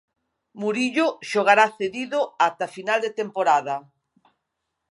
Murillo xogará cedido ata final de temporada.